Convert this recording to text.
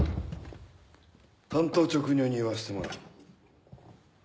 単刀直入に言わせてもらう。